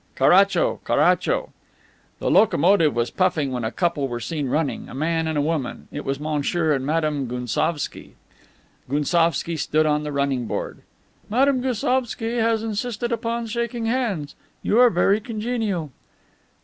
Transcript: "Caracho! Caracho!" The locomotive was puffing when a couple were seen running, a man and a woman. It was Monsieur and Madame Gounsovski. Gounsovski stood on the running board. "Madame Gounsovski has insisted upon shaking hands. You are very congenial."